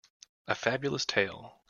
A Fabulous tale.